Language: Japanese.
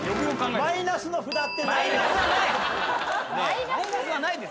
マイナスの札ってないの？